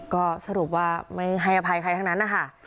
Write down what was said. ก็สรุปว่าไม่ให้อภัยใครทั้งนั้นนะคะ